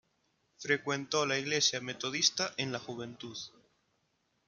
Frecuentó la Iglesia Metodista en la juventud.